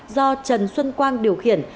do trần xuân quang điều khiển